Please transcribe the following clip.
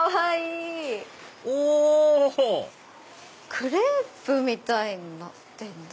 クレープみたいになってんだ。